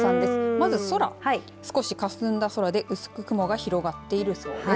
まず空、少し霞んだ空で薄く雲が広がっているそうです。